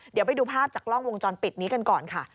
เดี๋ยวไปดูภาพจากกล้องวงจรปิดนี้กันก่อนค่ะ